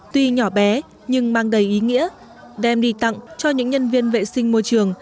tuy nhỏ bé nhưng mang đầy ý nghĩa đem đi tặng cho những nhân viên vệ sinh môi trường